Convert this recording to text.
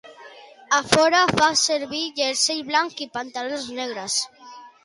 A fora, fa servir jersei blanc i pantalons negres.